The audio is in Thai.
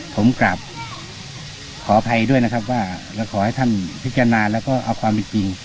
ผมกลับขออภัยด้วยนะครับว่าเราขอให้ท่านพิจารณาแล้วก็เอาความเป็นจริง